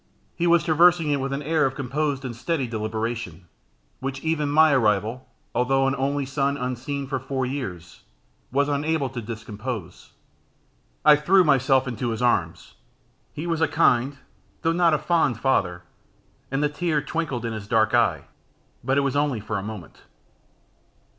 He was traversing it with an air of composed and steady deliberation, which even my arrival, although an only son unseen for four years, was unable to discompose. I threw myself into his arms. He was a kind, though not a fond father, and the tear twinkled in his dark eye, but it was only for a moment.